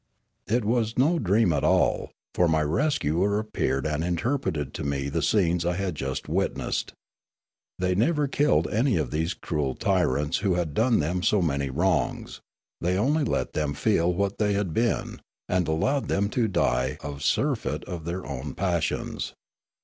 It was no dream at all, for my rescuer appeared and interpreted to me the scenes I had just witnessed. They never killed any of these cruel tyrants who had done them so many wrongs ; they only let them feel what they had been, and allowed them to die of surfeit of their own passions.